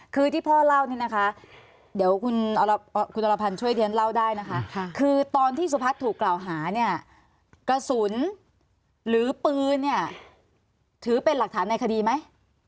คือที่พ่อเล่าเนี่ยนะคะเดี๋ยวคุณอรพันธ์ช่วยเรียนเล่าได้นะคะคือตอนที่สุพัฒน์ถูกกล่าวหาเนี่ยกระสุนหรือปืนเนี่ยถือเป็นหลักฐานในคดีไหม